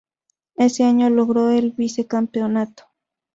Ese año logró el vice-campeonato.